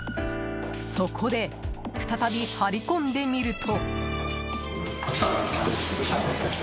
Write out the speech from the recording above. そこで再び張り込んでみると。